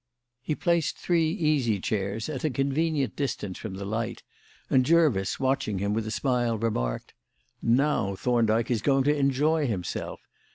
He placed three easy chairs at a convenient distance from the light, and Jervis, watching him with a smile, remarked: "Now Thorndyke is going to enjoy himself.